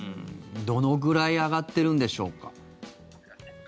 どのぐらい上がってるんでしょうか。